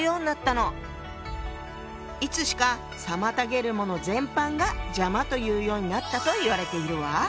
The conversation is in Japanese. いつしか妨げるもの全般が「邪魔」というようになったといわれているわ。